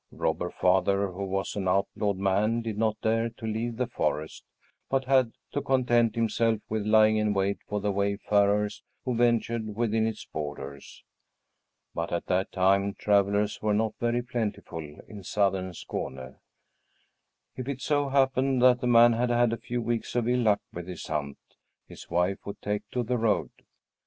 Robber Father, who was an outlawed man, did not dare to leave the forest, but had to content himself with lying in wait for the wayfarers who ventured within its borders. But at that time travellers were not very plentiful in Southern Skåne. If it so happened that the man had had a few weeks of ill luck with his hunt, his wife would take to the road.